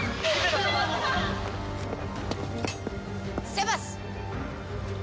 セバス！